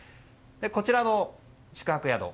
こちらの宿泊宿